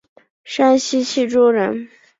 山西忻州人。